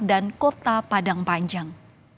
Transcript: dan kota padang panjang